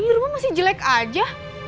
di rumah masih jelek aja